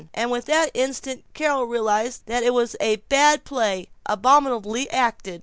And with that instant Carol realized that it was a bad play abominably acted.